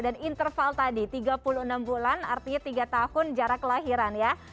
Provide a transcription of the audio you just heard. dan interval tadi tiga puluh enam bulan artinya tiga tahun jarak lahiran